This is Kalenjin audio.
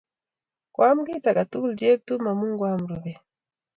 Koam kit age tugul Cheptum amun koamw rupet.